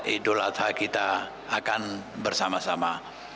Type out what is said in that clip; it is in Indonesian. idul adha kita akan bersama sama